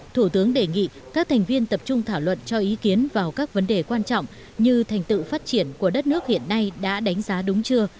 thủ tướng đề nghị các thành viên tập trung thảo luận cho ý kiến vào các vấn đề quan trọng như thành tựu phát triển của đất nước hiện nay đã đánh giá đúng chưa